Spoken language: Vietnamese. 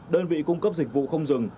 đơn vị cung cấp dịch vụ không dừng